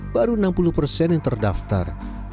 baru enam puluh persen yang terdaftar